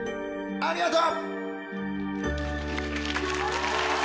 ありがとう！